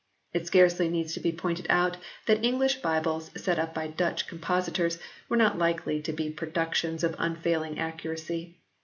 It scarcely needs to be pointed out that English Bibles set up by Dutch compositors were not likely to be productions of unfailing accuracy.